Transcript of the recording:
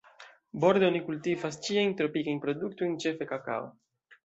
Borde oni kultivas ĉiajn tropikajn produktojn, ĉefe kakao.